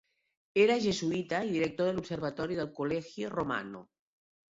Era jesuïta i director de l'observatori del Collegio Romano.